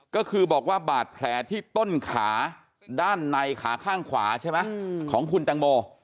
ก็คือบอกว่าบาดแผลที่ต้นขาด้านในขาข้างขวาใช่ไหมของคุณแตงโม